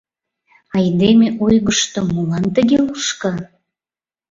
Айдеме ойгышто молан тыге лушка?